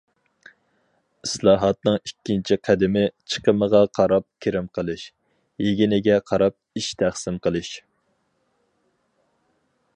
ئىسلاھاتنىڭ ئىككىنچى قەدىمى: چىقىمغا قاراپ كىرىم قىلىش، يېگىنىگە قاراپ ئىش تەقسىم قىلىش.